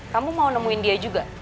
kamu mau nemuin dia juga